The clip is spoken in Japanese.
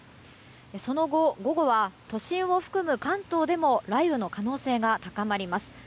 その後、午後は都心を含む関東でも雷雨の可能性が高まります。